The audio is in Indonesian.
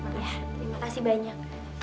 terima kasih banyak